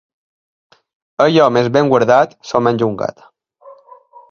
Allò més ben guardat, s'ho menja un gat.